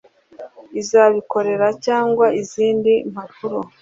izabikorera cyangwa izindi mpapuro